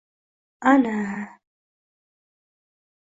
Ana